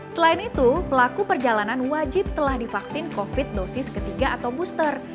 selain itu pelaku perjalanan wajib telah divaksin covid dosis ketiga atau booster